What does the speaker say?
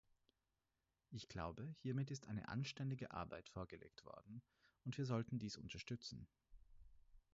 Ich glaube, hiermit ist eine anständige Arbeit vorgelegt worden, und wir sollten dies unterstützen.